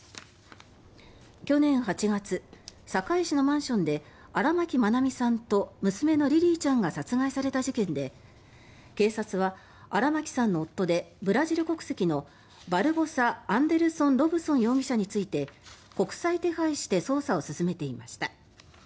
去年８月、堺市のマンションで荒牧愛美さんと娘のリリィちゃんが殺害された事件で警察は荒牧さんの夫でブラジル国籍のバルボサ・アンデルソン・ロブソン容疑者について国際手配して捜査を進めていました。